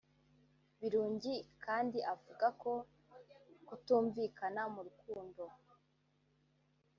Birungi kandi avuga ko kutumvikana mu rukundo